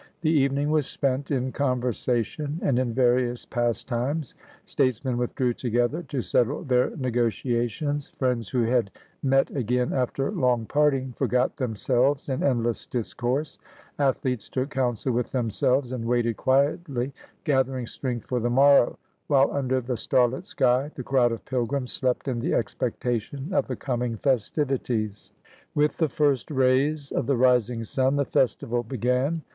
The evenmg was spent in conversation and in various pas times; statesmen withdrew together to settle their nego tiations, friends who had met again after long parting forgot themselves in endless discourse, athletes took counsel with themselves and waited quietly, gathering strength for the morrow, while under the starHt sky the crowd of pilgrims slept in the expectation of the coming festivities. With the first rays of the rising sun the festival be gan.